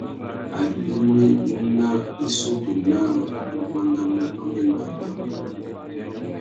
Abimî nà issutu naā nu buandamú angüêndô abà.